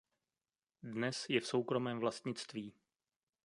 Dnes je v soukromém vlastnictví.